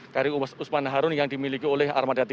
kri usman harun yang dimiliki oleh armada tiga